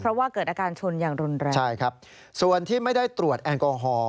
เพราะว่าเกิดอาการชนอย่างรุนแรง